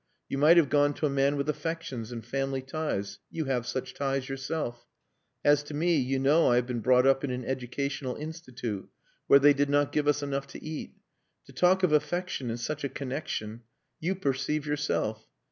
You might have gone to a man with affections and family ties. You have such ties yourself. As to me, you know I have been brought up in an educational institute where they did not give us enough to eat. To talk of affection in such a connexion you perceive yourself....